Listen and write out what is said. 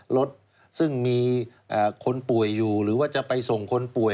รถซึ่งมีคนป่วยอยู่หรือว่าจะไปส่งคนป่วย